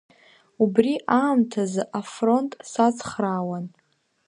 Убри аамҭазы афронт сацхраауан.